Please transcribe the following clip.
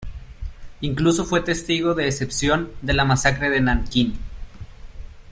Incluso fue testigo de excepción de la Masacre de Nankín.